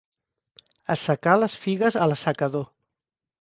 Assecar les figues a l'assecador.